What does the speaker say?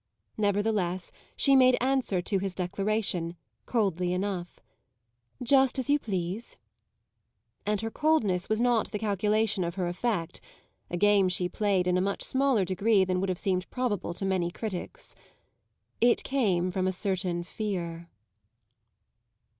Nevertheless she made answer to his declaration, coldly enough, "Just as you please." And her coldness was not the calculation of her effect a game she played in a much smaller degree than would have seemed probable to many critics. It came from a certain fear.